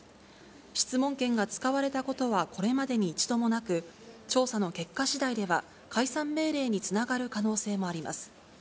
質問権が使われたことはこれまでに一度もなく、調査の結果しだいでは、解散命令につながる可能性もあります。